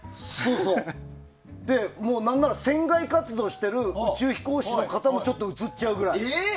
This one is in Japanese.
何なら船外活動している宇宙飛行士の方もちょっと写っちゃうくらい。